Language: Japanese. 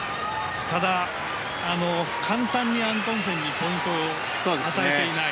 ただ、簡単にアントンセンにポイントを与えていない。